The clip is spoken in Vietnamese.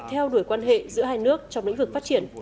theo đuổi quan hệ giữa hai nước trong lĩnh vực phát triển